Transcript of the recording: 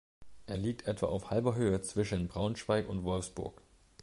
Er liegt etwa auf halber Höhe zwischen Braunschweig und Wolfsburg.